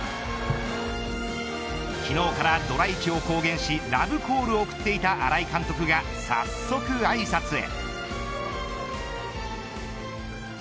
昨日からドラ１を公言しラブコールを送っていた新井監督が早速あいさつへ。